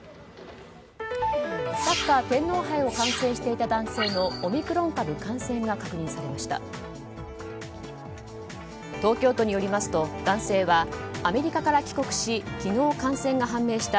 サッカー天皇杯を観戦していた男性のオミクロン株感染が確認されました。